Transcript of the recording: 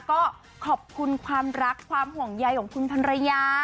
ก็ขอบคุณความรักความห่วงใยของคุณพันรยา